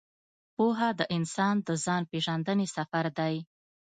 پوهه د انسان د ځان پېژندنې سفر دی.